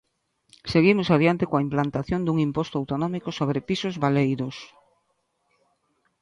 Seguimos adiante coa implantación dun imposto autonómico sobre pisos baleiros.